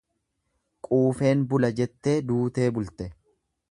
Quufeen bula jettee duutee bulte.